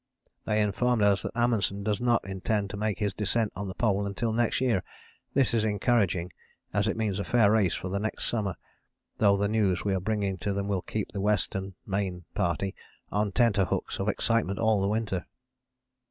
They inform us that Amundsen does not intend to make his descent on the Pole until next year. This is encouraging as it means a fair race for the next summer, though the news we are bringing to them will keep the Western [Main] Party on tenterhooks of excitement all the winter.